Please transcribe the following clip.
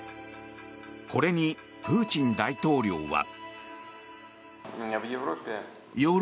これにプーチン大統領は。